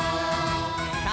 さあ